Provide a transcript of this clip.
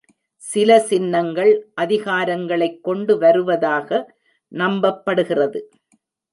சில சின்னங்கள் அதிகாரங்களைக் கொண்டு வருவதாக நம்பப்படுகிறது.